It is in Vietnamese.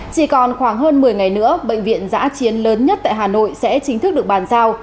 chỉ còn khoảng hơn một mươi ngày nữa bệnh viện giã chiến lớn nhất tại hà nội sẽ chính thức được bàn giao